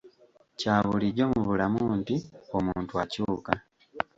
Kya bulijjo mu bulamu nti omuntu akyuka.